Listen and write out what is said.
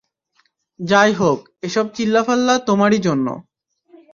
যাই হোক, এসব চিল্লাফাল্লা তোমারই জন্য।